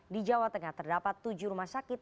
di jawa tengah terdapat tujuh rumah sakit